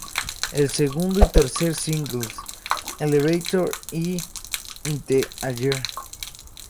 El segundo y tercer singles, "Elevator" y "In the Ayer".